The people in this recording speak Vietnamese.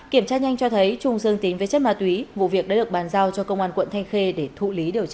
kiểm tra nhanh cho thấy trung dương tính với chất ma túy vụ việc đã được bàn giao cho công an quận thanh khê để thụ lý điều tra